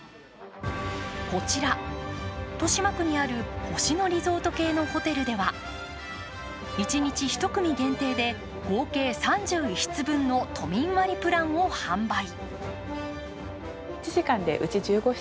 こちら豊島区にある星野リゾート系のホテルでは一日１組限定で合計３１室分の都民割プランを販売。